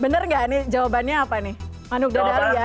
bener gak nih jawabannya apa nih manuk dadali ya